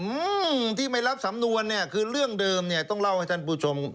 อืมที่ไม่รับสำนวนเนี้ยคือเรื่องเดิมเนี้ยต้องเล่าให้ท่านผู้ชม